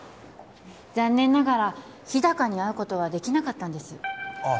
残念ながら日高に会うことはできなかったんですあっ